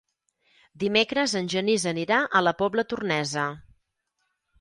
Dimecres en Genís anirà a la Pobla Tornesa.